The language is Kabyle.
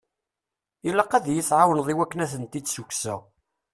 Ilaq ad yi-tɛawneḍ i wakken ad tent-id-sukkseɣ.